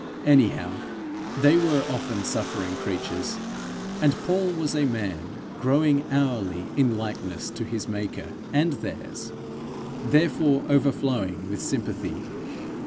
Anyhow they were often suffering creatures; and Paul was a man growing hourly in likeness to his maker and theirs, therefore overflowing with sympathy.